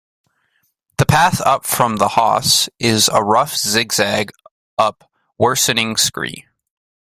The path up from the Hause is a rough zigzag up worsening scree.